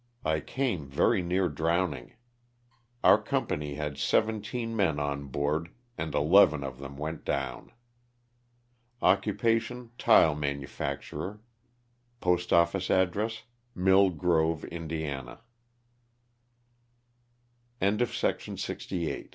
I came very near drowning. Our company had seventeen men on board and eleven of them went down. Occupation, tile manufacturer. Postoffice address. Mill Grove,